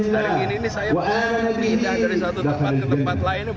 dari gini nih saya mau pindah dari satu tempat ke tempat lain